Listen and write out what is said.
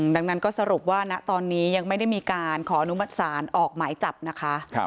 ดังนั้นก็สรุปว่าณตอนนี้ยังไม่ได้มีการขออนุมัติศาลออกหมายจับนะคะ